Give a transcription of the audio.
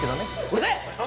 うるせえ！